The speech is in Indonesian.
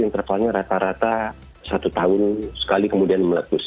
intervalnya rata rata satu tahun sekali kemudian meletus